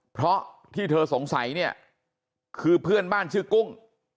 เพราะที่เธอสงสัยเนี่ยคือเพื่อนบ้านชื่อกุ้ง